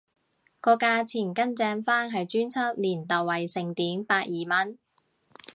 個價錢更正返係專輯連特典盛惠百二蚊